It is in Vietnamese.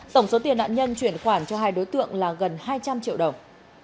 tổng số tiền nạn nhân chuyển khoản cho hai đối tượng là gần hai trăm linh triệu đồng